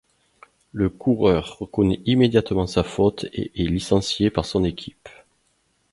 Le coureur reconnaît immédiatement sa faute et est licencié par son équipe.